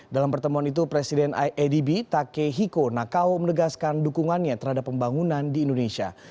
dalam pertemuan itu presiden adb take hiko nakao menegaskan dukungannya terhadap pembangunan di indonesia